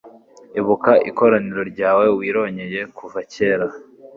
Ibuka ikoraniro ryawe wironkeye kuva kera